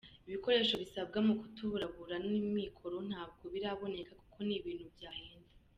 Ibikoresho bisabwa mu kubutaburura n’amikoro ntabwo biraboneka kuko ni ibintu byahenda.